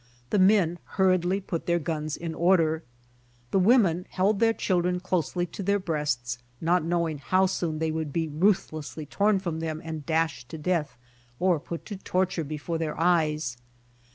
The men hurriedly put their guns in order. The women held their children closely to their breasts not knowing how soon they would be ruthlessly torn from them and dashed to death or put to torture before their eyes.